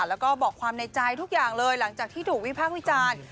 แล้วก็บอกความในใจทุกอย่างเลยหลังจากที่ถูกวิพากษ์วิจารณ์